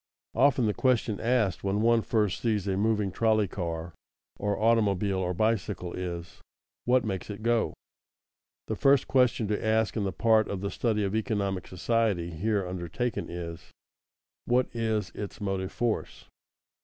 Often the question asked when one first sees a moving trolley car or automobile or bicycle is: What makes it go? The first question to ask in the part of the study of economic society here undertaken is: What is its motive force?